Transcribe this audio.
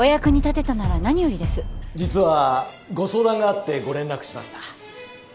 実はご相談があってご連絡しました。